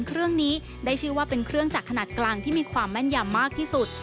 เครื่องนี้ได้ชื่อว่าเป็นเครื่องจักรขนาดกลางที่มีความแม่นยำมากที่สุด